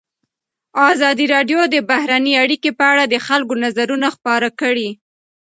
ازادي راډیو د بهرنۍ اړیکې په اړه د خلکو نظرونه خپاره کړي.